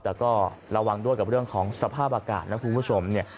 แต่ก็ระวังด้วยกับเรื่องของสภาพอากาศนะคุณผู้ชมเนี่ย